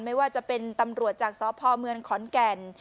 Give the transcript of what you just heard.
ไม่ว่าจะเป็นตำรวจจากสพเมืองขอนแก่น